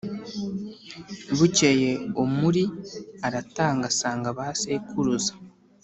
Bukeye Omuri aratanga asanga ba sekuruza